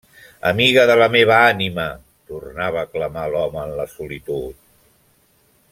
-Amiga de la meva ànima!- tornava a clamar l'home en la solitud.